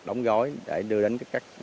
đống gói để đưa đến các